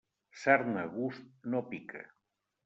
Sarna a gust, no pica.